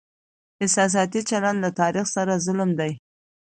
احساساتي چلند له تاريخ سره ظلم دی.